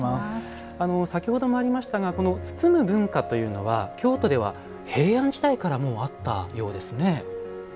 先ほどもありましたが包む文化というのは京都では平安時代からもう、あったようですね。